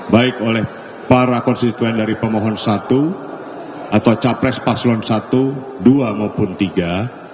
baik oleh para konstituen dari pemohon satu atau capres paslon satu dua maupun tiga